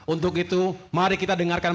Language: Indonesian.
untuk itu mari kita dengarkan